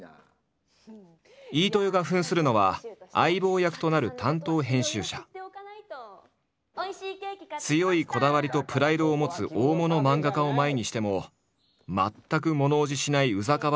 飯豊がふんするのは相棒役となる強いこだわりとプライドを持つ大物漫画家を前にしても全くものおじしないウザかわ